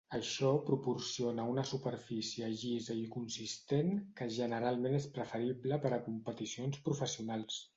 Això proporciona una superfície llisa i consistent, que generalment és preferible per a competicions professionals.